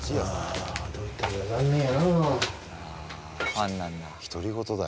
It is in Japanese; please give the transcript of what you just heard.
ファンなんだ。